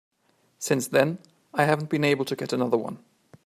Since then I haven't been able to get another one.